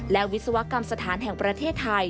และวิศวกรรมสถานแห่งประเทศไทย